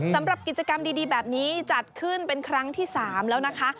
สำหรับกิจกรรมดีแบบนี้จัดขึ้นเป็นครั้งที่๓แล้วนะคะ